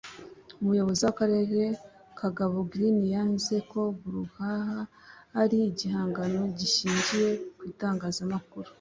Umuyobozi w'akarere Kagabo Greene yanze ko brouhaha ari igihangano gishingiye ku itangazamakuru